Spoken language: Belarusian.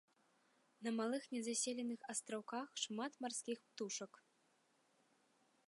На малых незаселеных астраўках шмат марскіх птушак.